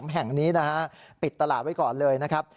แห่งนี้นะฮะปิดตลาดไว้ก่อนเลยนะครับ